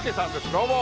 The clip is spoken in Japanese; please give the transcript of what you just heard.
どうも。